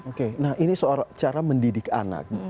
oke nah ini soal cara mendidik anak